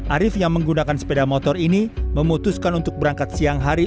arief yang menggunakan sepeda motor ini memutuskan untuk berangkat siang hari